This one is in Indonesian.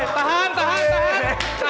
tahan tahan tahan